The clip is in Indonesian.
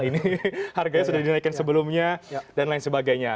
ini harganya sudah dinaikkan sebelumnya dan lain sebagainya